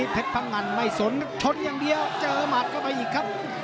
พังงันไม่สนชนอย่างเดียวเจอหมัดเข้าไปอีกครับ